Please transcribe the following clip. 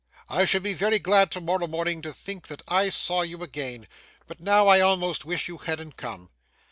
I shall be very glad tomorrow morning to think that I saw you again, but now I almost wish you hadn't come.